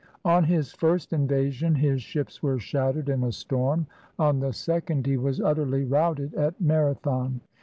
On his first invasion, his ships were shattered in a storm; on the second, he was utterly routed at Mara thon.